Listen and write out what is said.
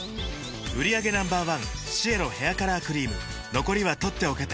売上№１シエロヘアカラークリーム残りは取っておけて